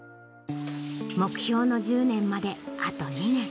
目標の１０年まであと２年。